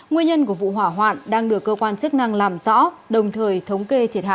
nguyên nhân của vụ hỏa hoạn đang được cơ quan chức năng làm rõ đồng thời thống kê thiệt hại